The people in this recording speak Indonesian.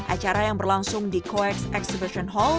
acara yang berlangsung di coex exhibition